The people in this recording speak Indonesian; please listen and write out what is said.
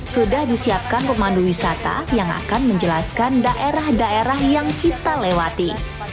sudah disiapkan pemandu wisata yang akan menjelaskan daerah daerah yang kita lewati